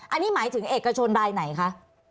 อันนี้หมายถึงเอกชนรายไหนคะ